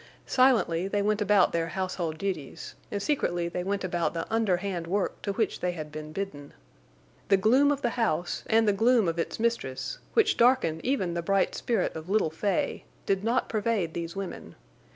Silently they went about their household duties, and secretly they went about the underhand work to which they had been bidden. The gloom of the house and the gloom of its mistress, which darkened even the bright spirit of little Fay, did not pervade these women.